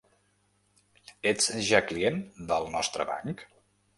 Ets ja client del nostre blanc?